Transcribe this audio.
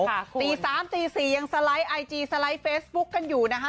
ค่ะคุณตีสามตีสี่ยังสไลด์ไอจีสไลด์เฟซบุ๊กกันอยู่นะคะ